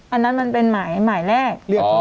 อันนั้นมันเป็นหมายแรก